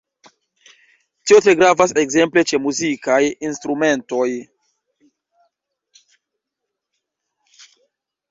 Tio tre gravas ekzemple ĉe muzikaj instrumentoj.